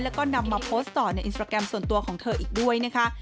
แล้วก็นำมาโพสต์ต่อในอินสตราแกรมส่วนตัวของเธออีกด้วยนะคะ